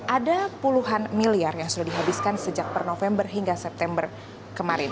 ada puluhan miliar yang sudah dihabiskan sejak per november hingga september kemarin